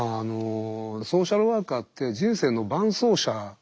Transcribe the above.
ソーシャルワーカーって人生の伴走者なんですよね。